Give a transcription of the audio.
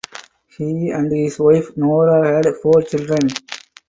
He and his wife Nora had four children.